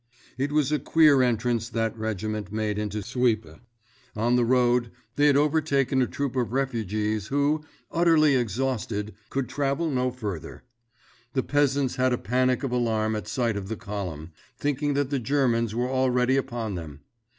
It was a queer entrance that regiment made into Suippes. On the road, they had overtaken a troop of refugees who, utterly exhausted, could travel no further. The peasants had a panic of alarm at sight of the column, thinking that the Germans were already upon them.